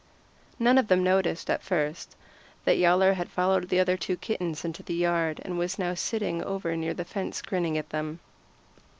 None of them noticed, at first, that Yowler had followed the other two kittens into the yard, and was now sitting over near the fence grinning at them.